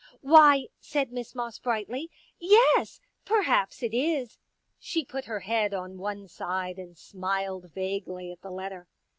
" Why," said Miss Moss brightly, " yes, perhaps it is." She put her head on one side and smiled vaguely at the letter.